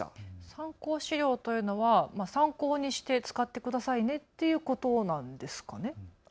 参考資料というのは参考にして使ってくださいねっていうことなんですか。